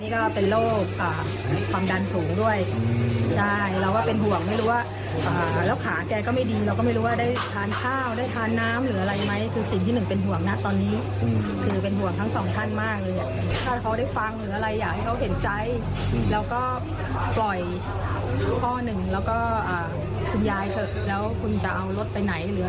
ขอบคุณน้องไบ